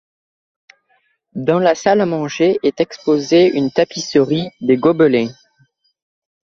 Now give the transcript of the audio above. Dans la salle à manger est exposée une tapisserie des Gobelins.